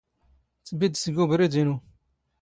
ⵜⴱⵉⴷⴷⵜ ⴳ ⵓⴱⵔⵉⴷ ⵉⵏⵓ.